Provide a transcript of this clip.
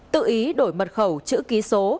tự ý đổi mật khẩu chữ ký số